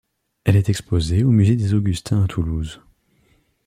Elle est exposée au Musée des Augustins à Toulouse.